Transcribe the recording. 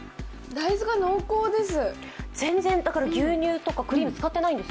大豆が濃厚です。